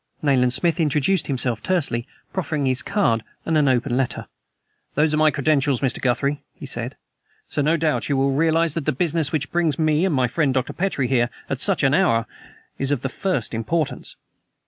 Nayland Smith introduced himself tersely, proffering his card and an open letter. "Those are my credentials, Mr. Guthrie," he said; "so no doubt you will realize that the business which brings me and my friend, Dr. Petrie, here at such an hour is of the first importance."